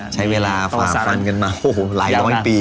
ใช้เวลาฝาพลังกันมาโหหหลายล้อยปี